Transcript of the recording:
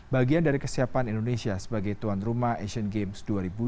bagian dari kesiapan indonesia sebagai tuan rumah asian games dua ribu delapan belas